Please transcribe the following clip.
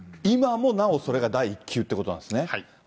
今もなお、それが第一級ということなんですね。